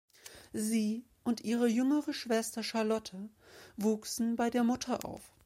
Sie und ihre jüngere Schwester Charlotte wuchsen bei der Mutter auf.